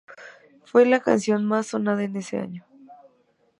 Fue la canción más sonada en ese año.